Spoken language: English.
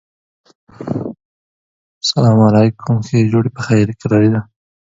Brendan Wayne and Lateef Crowder are credited as stunt doubles for The Mandalorian.